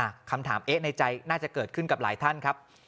คำถามเอ๊ะในใจน่าจะเกิดขึ้นกับหลายท่านครับ